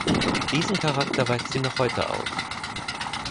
Diesen Charakter weist sie noch heute auf.